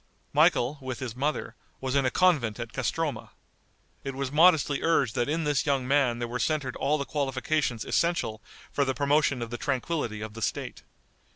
Michael, with his mother, was in a convent at Castroma. It was modestly urged that in this young man there were centered all the qualifications essential for the promotion of the tranquillity of the State.